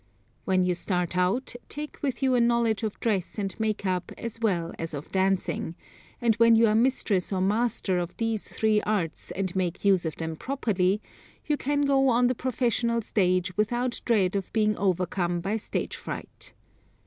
When you start out, take with you a knowledge of dress and makeup as well as of dancing, and when you are mistress or master of these three arts and make use of them properly, you can go on the professional stage without dread of being overcome by stage fright.